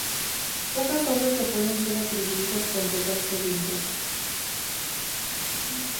Pocas obras le puedan ser atribuidas con total seguridad.